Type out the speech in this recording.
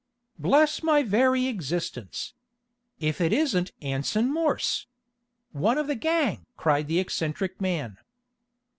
"Bless my very existence! If it isn't Anson Morse! One of the gang!" cried the eccentric man.